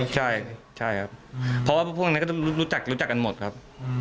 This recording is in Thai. ใช่ใช่ครับเพราะว่าพวกนี้ก็รู้จักกันหมดครับ